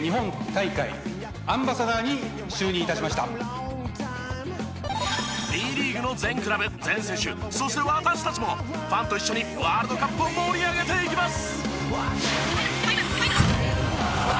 この度Ｂリーグの全クラブ全選手そして私たちもファンと一緒にワールドカップを盛り上げていきます！